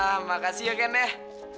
ah makasih ya candy